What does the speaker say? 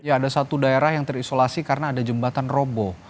ada satu daerah yang terisolasi karena ada jembatan robo